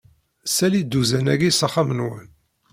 Sali dduzan-agi s axxam-nnwen.